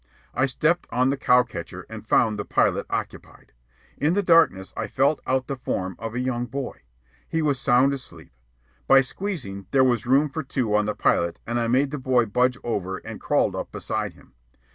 I stepped on the cowcatcher and found the pilot occupied. In the darkness I felt out the form of a young boy. He was sound asleep. By squeezing, there was room for two on the pilot, and I made the boy budge over and crawled up beside him.